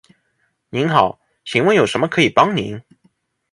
您好，请问有什么可以帮您？